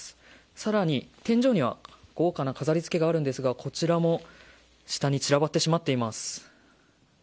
さらに、天井には豪華な飾り付けがあるんですがこちらも下に散らばってしまっています。